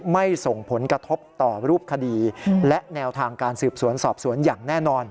ไม่ส่งผลกระทบต่อรูปคดีและแนวทางการสืบสวนสอบสวนอย่างแน่นอน